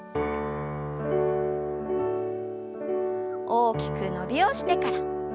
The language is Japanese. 大きく伸びをしてから。